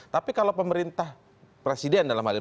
tapi kalau pemerintah presiden dalam hal ini